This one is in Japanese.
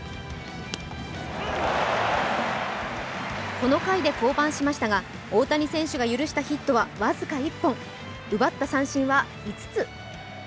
この回で降板しましたが大谷選手が許したヒットは僅か１本、奪った三振は５つ。